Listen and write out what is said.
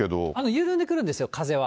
緩んでくるんですよ、風は。